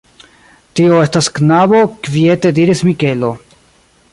Tio estas knabo, kviete diris Mikelo.